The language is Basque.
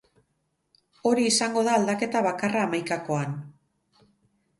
Hori izango da aldaketa bakarra hamaikakoan.